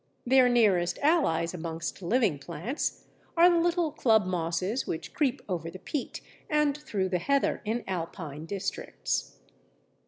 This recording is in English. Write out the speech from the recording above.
Their nearest allies amongst living plants are the little club mosses which creep over the peat and through the heather in alpine districts.